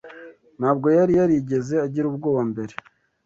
Ntabwo yari yarigeze agira ubwoba mbere.